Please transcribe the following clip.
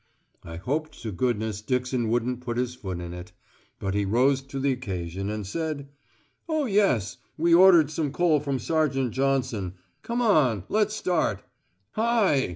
I hoped to goodness Dixon wouldn't put his foot in it. But he rose to the occasion and said: "Oh, yes. We ordered some coal from Sergeant Johnson. Come on, let's start. Hi!